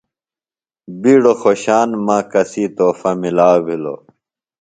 بیڈوۡ خوشان مہ کسی تحفہ مِلاؤ بِھلوۡ